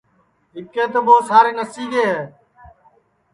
اِٻکے تو ٻو سارے نسیگے ہے